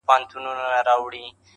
ښوره زاره مځکه نه کوي ګلونه,